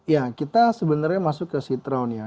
ya kita sebenarnya masuk ke sit down ya